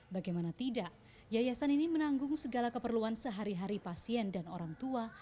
bagaimana tidak yayasan ini menanggung segala keperluan sehari hari pasien dan orang tua